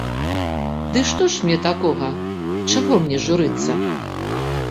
Ды што ж мне такога, чаго мне журыцца?